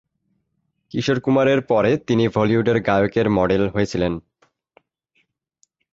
কিশোর কুমার এর পরে তিনি বলিউডের গায়কের মডেল হয়েছেন।